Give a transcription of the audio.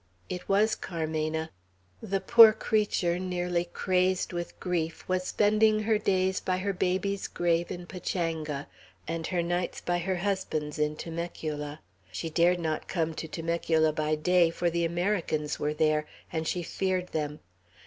It was Carmena. The poor creature, nearly crazed with grief, was spending her days by her baby's grave in Pachanga, and her nights by her husband's in Temecula. She dared not come to Temecula by day, for the Americans were there, and she feared them.